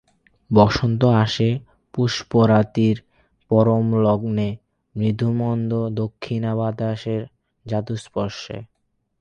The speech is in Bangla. বসন্ত আসে পুষ্পরাত্রির পরম লগ্নে, মৃদুমন্দ দক্ষিণা বাতাসের জাদুস্পর্শে।